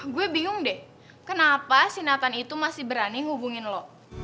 gue bingung deh kenapa si napan itu masih berani hubungin lo